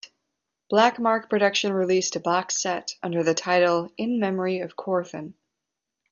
Black Mark Production released a box set under the title "In Memory of Quorthon".